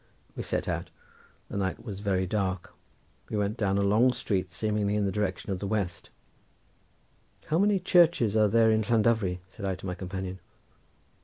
We set out, the night was very dark; we went down a long street seemingly in the direction of the west. "How many churches are there in Llandovery?" said I to my companion.